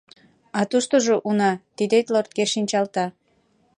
А туштыжо, уна, тидет лортке шинчалта.